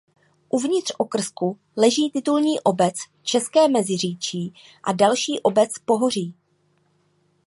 Uvnitř okrsku leží titulní obec České Meziříčí a další obec Pohoří.